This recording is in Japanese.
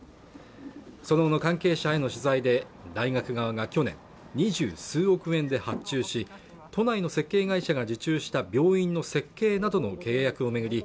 その後の関係者への取材で大学側が去年二十数億円で発注し都内の設計会社が受注した病院の設計などの契約を巡り